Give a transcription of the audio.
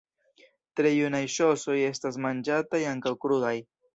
Tre junaj ŝosoj estas manĝataj ankaŭ krudaj.